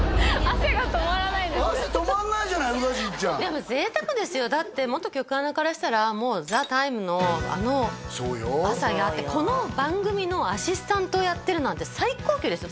汗止まんないじゃない宇賀神ちゃんでも贅沢ですよだって元局アナからしたらもう「ＴＨＥＴＩＭＥ，」のあの朝やってこの番組のアシスタントやってるなんて最高級ですよ